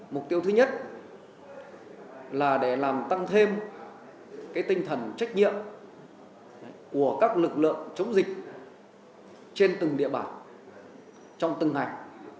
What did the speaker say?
mục tiêu thứ nhất là để làm tăng thêm tinh thần trách nhiệm của các lực lượng chống dịch trên từng địa bản trong từng ngành